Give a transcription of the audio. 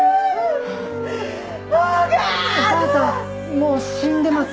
もう死んでます